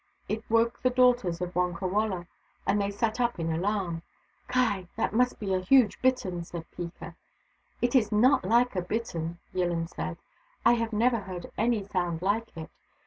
It woke the daughters of Wonkawala, and they sat up in alarm. " Ky ! that must be a huge bittern," said Peeka. " It is not Hke a bittern," YilHn said. " I have never heard any sound Hke it.